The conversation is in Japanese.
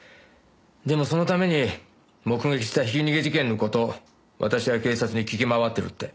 でもそのために目撃したひき逃げ事件の事私や警察に聞き回ってるって。